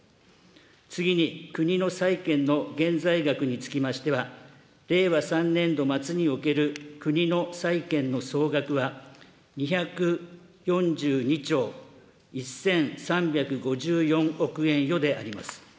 次に国の債券の現在額につきましては、令和３年度末における国の債権の総額は、２４２兆１３５４億円余であります。